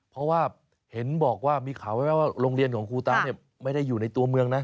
เพราะว่าเห็นบอกว่ามีข่าวไหมว่าโรงเรียนของครูตาเนี่ยไม่ได้อยู่ในตัวเมืองนะ